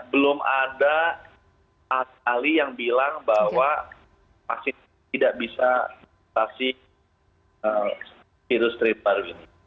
belum ada ahli yang bilang bahwa vaksin tidak bisa melawan virus tersebut